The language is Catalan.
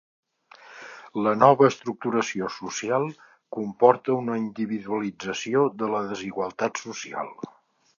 La nova estructuració social comporta una individualització de la desigualtat social.